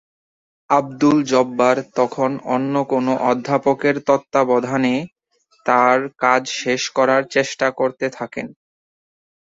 আবদুল জব্বার তখন অন্য কোনো অধ্যাপকের তত্ত্বাবধানে তার কাজ শেষ করার চেষ্টা করতে থাকেন।